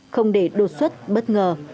không để đột xuất bất ngờ